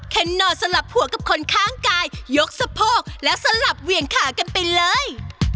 คนนอนสลับหัวกับคนข้างกายยกสะโพกแล้วสลับเหวี่ยงขากันไปเลย